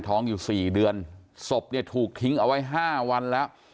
ท้องอยู่สี่เดือนศพเนี่ยถูกทิ้งเอาไว้๕วันแล้ว